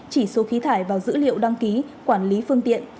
chỉ số khí thải vào dữ liệu đăng ký quản lý phương tiện